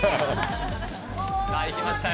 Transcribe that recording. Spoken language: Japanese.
さあ、行きましたよ。